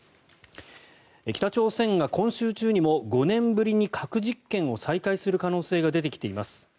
北朝鮮が今週中にも５年ぶりに核実験を再開する可能性が出てきています。